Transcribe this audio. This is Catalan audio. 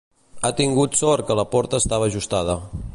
Ha tingut sort que la porta estava ajustada.